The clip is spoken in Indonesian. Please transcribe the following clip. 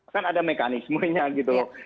kan ada mekanismenya gitu